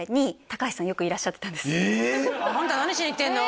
あんた何しに行ってんの？